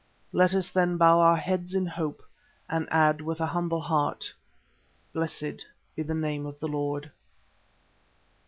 Let us, then, bow our heads in hope, and add with a humble heart, "Blessed be the name of the Lord."